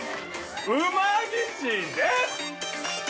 うまぎしです！